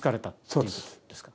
ということですか？